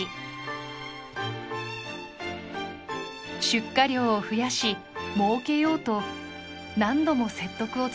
「出荷量を増やしもうけよう！」と何度も説得を続けました。